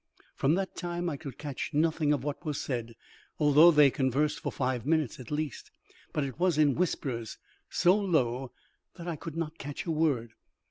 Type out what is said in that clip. From that time I could catch nothing of what was said, although they conversed for five minutes at least. But it was in whispers, so low that I could not catch a word.